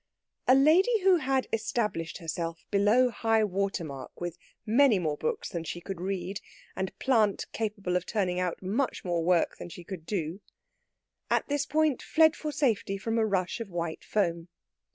A lady who had established herself below high water mark with many more books than she could read, and plant capable of turning out much more work than she could do, at this point fled for safety from a rush of white foam.